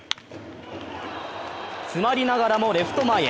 詰まりながらもレフト前へ。